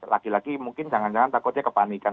lagi lagi mungkin jangan jangan takutnya kepanikan